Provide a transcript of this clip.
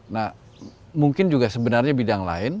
nah mungkin juga sebenarnya bidang lain